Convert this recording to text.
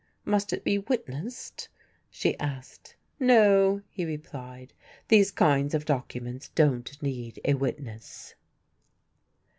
"Must it be witnessed?" she asked. "No," he replied, "these kind of documents don't need a witness."